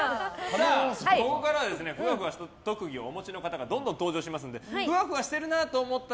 ここからはふわふわした特技をお持ちの方がどんどん登場しますのでふわふわしてるなと思ったら